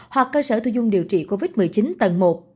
hoặc cơ sở thu dung điều trị covid một mươi chín tầng một